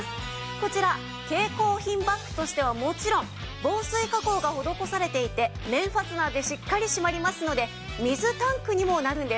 こちら携行品バッグとしてはもちろん防水加工が施されていて面ファスナーでしっかり閉まりますので水タンクにもなるんです。